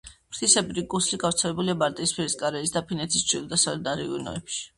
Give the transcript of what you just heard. ფრთისებრი გუსლი გავრცელებულია ბალტიისპირეთის, კარელიის და ფინეთის ჩრდილო-დასავლეთ რაიონებში.